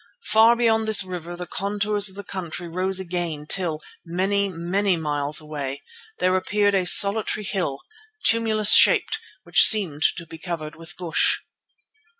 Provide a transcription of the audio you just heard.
Far beyond this river the contours of the country rose again till, many, many miles away, there appeared a solitary hill, tumulus shaped, which seemed to be covered with bush.